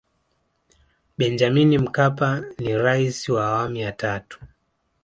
benjamin mkapa ni rais wa awamu ya tatu